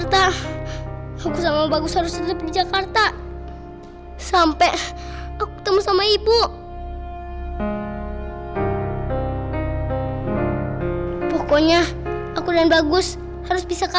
terima kasih ya